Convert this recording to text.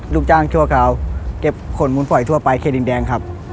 ลูกจ้างชั่วข่าวเก็บขนมุนปล่อยทั่วไปเครศดินแดง